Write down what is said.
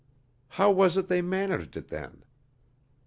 How was it they managed it then?